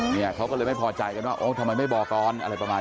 เนี่ยเขาก็เลยไม่พอใจกันว่าโอ้ทำไมไม่บอกก่อนอะไรประมาณ